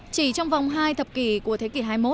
chỉ trong vòng hai thập kỷ của thế kỷ hai mươi một